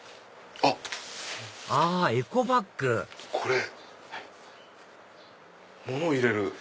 あエコバッグこれ物を入れる。